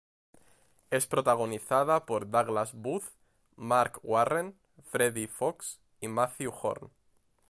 Es protagonizada por Douglas Booth, Marc Warren, Freddie Fox y Mathew Horne.